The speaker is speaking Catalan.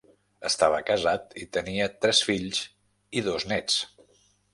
Estava casat i tenia tres fills i dos néts.